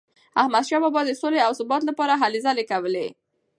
احمدشاه بابا د سولې او ثبات لپاره هلي ځلي کولي.